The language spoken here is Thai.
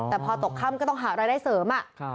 แต่พอตกค่ำก็ต้องหารายได้เสริม